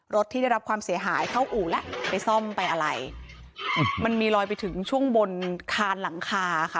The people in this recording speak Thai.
ที่ได้รับความเสียหายเข้าอู่แล้วไปซ่อมไปอะไรมันมีลอยไปถึงช่วงบนคานหลังคาค่ะ